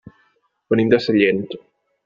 Venim de Sellent.